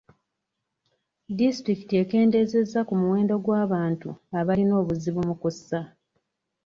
Disitulikiti ekeendezeza ku muwendo gw'abantu abalina obuzibu mu kussa.